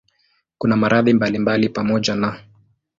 Kuna maradhi mbalimbali pamoja na